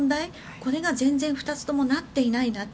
これが全然２つともなっていないなと。